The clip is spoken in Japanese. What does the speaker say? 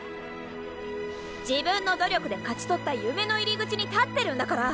自分の努力で勝ち取った夢の入口に立ってるんだから。